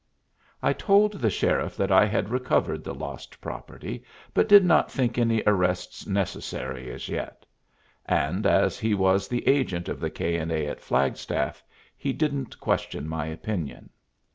I told the sheriff that I had recovered the lost property, but did not think any arrests necessary as yet; and, as he was the agent of the K. & A. at Flagstaff, he didn't question my opinion.